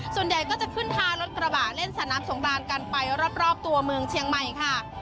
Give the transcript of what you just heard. ส่วนใหญ่ก็จะขึ้นท่ารถกระบะเล่นสนามสงกรานกันไปรอบตัวเมืองเชียงใหม่ค่ะ